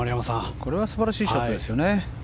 これは素晴らしいショットですね。